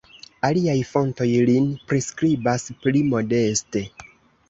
Aliaj fontoj lin priskribas pli modeste.